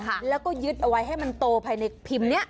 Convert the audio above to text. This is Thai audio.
แล้วก็ยึดเอาไว้ให้มันโตภายในพิมพ์เนี้ย